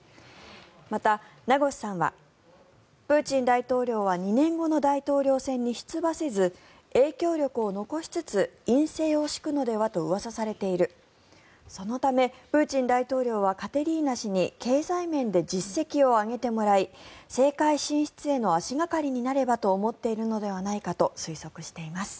また、名越さんはプーチン大統領は２年後の大統領選に出馬せず影響力を残しつつ院政を敷くのではとうわさされているそのためプーチン大統領はカテリーナ氏に経済面で実績を上げてもらい政界進出への足掛かりになればと思っているのではないかと推測しています。